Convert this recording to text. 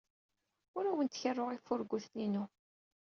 Ur awent-kerruɣ ifurguten-inu.